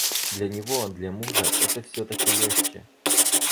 Для него, для мужа, это всё-таки легче.